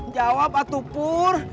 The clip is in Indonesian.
jawab atuh bur